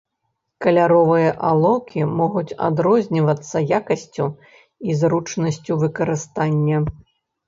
Каляровыя алоўкі могуць адрознівацца якасцю і зручнасцю выкарыстання.